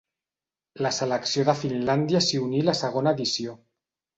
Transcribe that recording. La selecció de Finlàndia s'hi uní la segona edició.